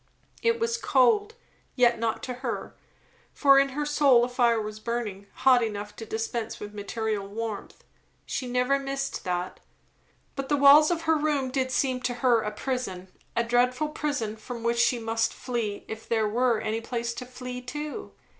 It was cold, yet not to her, for in her soul a fire was burning, hot enough to dispense with material warmth. She never missed that. But the walls of her room did seem to her a prison, a dreadful prison, from which she must flee if there were any place to flee to.